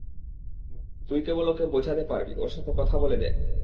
তুই কেবল ওকে বোঝাতে পারবি, ওর সাথে কথা বলে দেখ।